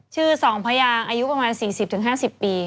ชื่อ๒พยางอายุประมาณ๔๐๕๐ปี